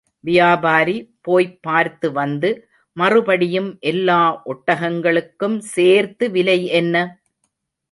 வியாபாரி போய்ப் பார்த்து வந்து, மறுபடியும் எல்லா ஒட்டகங்களுக்கும் சேர்த்து விலை என்ன?